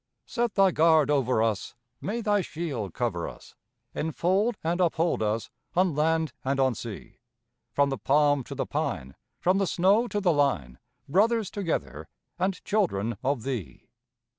Set Thy guard over us, May Thy shield cover us, Enfold and uphold us On land and on sea! From the palm to the pine, From the snow to the line, Brothers together And children of Thee.